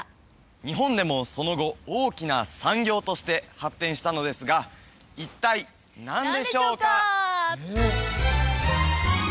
日本でもその後大きな産業として発展したのですが一体何でしょうか？